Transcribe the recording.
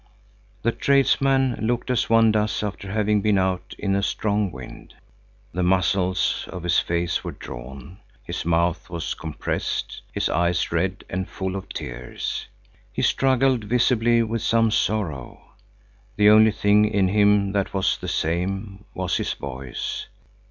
The tradesman looked as one does after having been out in a strong wind. The muscles of his face were drawn; his mouth was compressed; his eyes red and full of tears. He struggled visibly with some sorrow. The only thing in him that was the same was his voice.